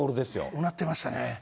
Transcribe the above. うなってましたね。